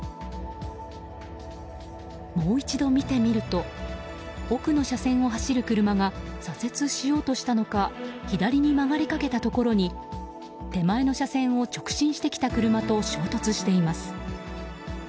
もう一度見てみると奥の車線を走る車が左折しようとしたのか左に曲がりかけたところに手前の車線を直進してきた車と衝突しています。